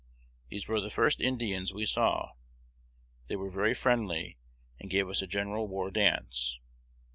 These were the first Indians we saw. They were very friendly, and gave us a general war dance.